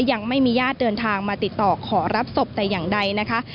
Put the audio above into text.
ยังไม่มีญาติเดินทางมาติดต่อขอรับศพแต่อย่างใดนะคะ